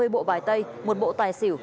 một trăm hai mươi bộ bài tay một bộ tài xỉu